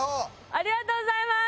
ありがとうございます！